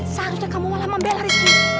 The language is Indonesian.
seharusnya kamu malah membela rizky